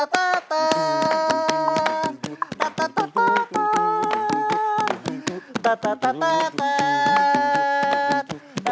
ขอบคุณครับ